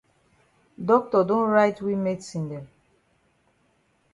Doctor don write we medicine dem.